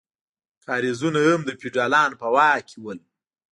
کاریزونه هم د فیوډالانو په واک کې وو.